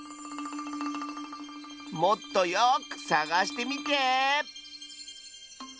もっとよくさがしてみて！